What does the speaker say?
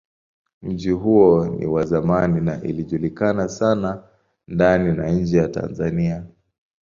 Mji huo ni wa zamani na ilijulikana sana ndani na nje ya Tanzania.